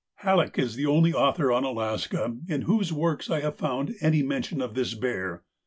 Halleck is the only author on Alaska in whose works I have found any mention of this bear.